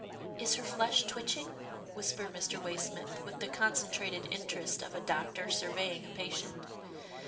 "Is her flesh twitching?" whispered Mr. Way smith, with the concentrated interest of a doctor sur veying a patient.